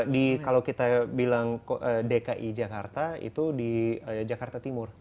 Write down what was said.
di kalau kita bilang dki jakarta itu di jakarta timur